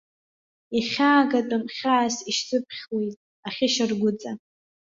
Ихьаагатәым хьаас ишьҭыбхуеит, ахьышьаргәыҵа.